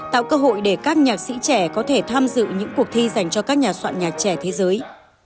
tạo cơ hội để các nhạc sĩ trẻ có thể tham dự những cuộc thi dành cho các nhà soạn nhạc trẻ thế giới